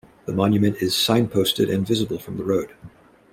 The monument is signposted and visible from the road.